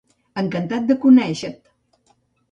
Encantat de conèixer-te.